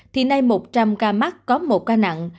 thì nay một trăm linh ca mắc có một ca nặng